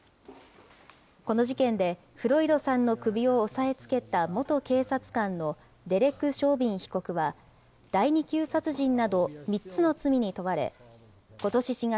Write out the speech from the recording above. この事件で、フロイドさんの首を押さえつけた元警察官のデレク・ショービン被告は、第２級殺人など、３つの罪に問われ、ことし４月、